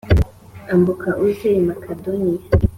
Ambuka uze i Makedoniya